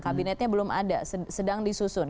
kabinetnya belum ada sedang disusun